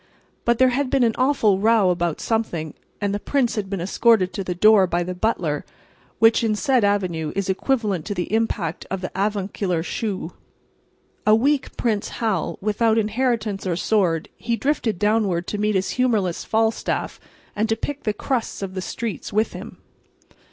But there had been an awful row about something, and the prince had been escorted to the door by the butler, which, in said avenue, is equivalent to the impact of the avuncular shoe. A weak Prince Hal, without inheritance or sword, he drifted downward to meet his humorless Falstaff, and to pick the crusts of the streets with him.